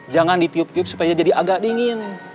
jangan ditiup tiup supaya jadi agak dingin